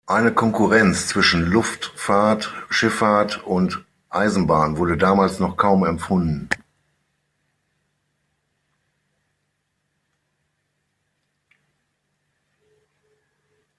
Eine Konkurrenz zwischen Luftfahrt, Schifffahrt und Eisenbahn wurde damals noch kaum empfunden.